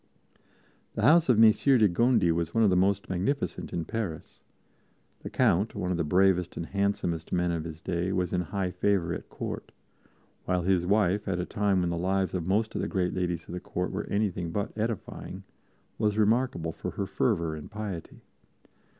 The house of Messire de Gondi was one of the most magnificent in Paris. The Count, one of the bravest and handsomest men of his day, was in high favor at Court; while his wife, at a time when the lives of most of the great ladies of the Court were anything but edifying, was remarkable for her fervor and piety.